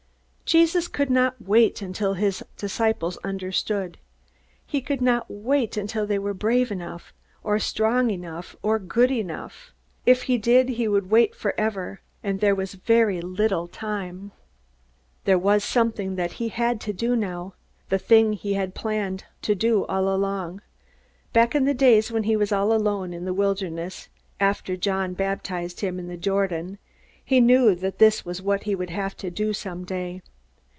Jesus could not wait until his disciples understood. He could not wait until they were brave enough, or strong enough or good enough. If he did, he would wait forever. And there was very little time. There was something that he had to do now the thing he had planned to do all along. Back in the days when he was all alone in the wilderness, after John baptized him in the Jordan, he knew that this was what he would have to do someday.